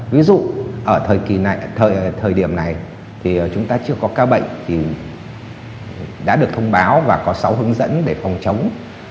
ví dụ ở thời điểm này thì chúng ta chưa có ca bệnh thì đã được thông báo và có sáu hướng dẫn để phòng chống